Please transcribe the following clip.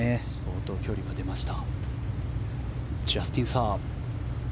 相当距離が出ました。